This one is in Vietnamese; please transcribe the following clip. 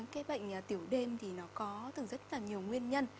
cái bệnh tiểu đêm thì nó có từ rất là nhiều nguyên nhân